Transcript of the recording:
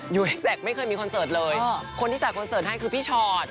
ยูเอ็กไม่เคยมีคอนเสิร์ตเลยคนที่จัดคอนเสิร์ตให้คือพี่ชอต